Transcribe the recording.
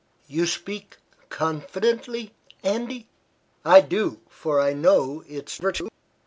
"You speak confidently, Andy?" "I do, for I know its virtue."